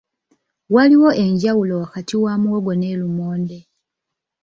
Waliwo enjawulo wakati wa muwogo ne lumonde